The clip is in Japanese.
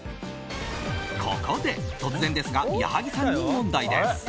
ここで突然ですが矢作さんに問題です。